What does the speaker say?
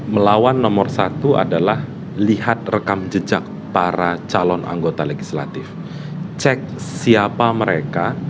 melawan nomor satu adalah lihat rekam jejak para calon anggota legislatif cek siapa mereka